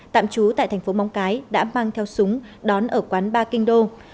tạm trú tại tp mong cái đã mang theo súng đón ở quán ba kinh đô